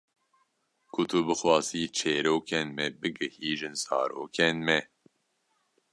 Ku tu bixwazî çêrokên me bigihîjin zarokên me.